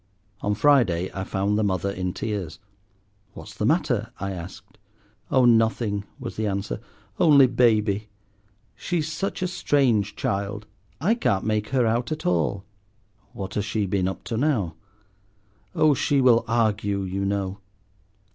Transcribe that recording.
On Friday I found the mother in tears. "What's the matter?" I asked. "Oh, nothing," was the answer; "only Baby. She's such a strange child. I can't make her out at all." "What has she been up to now?" "Oh, she will argue, you know."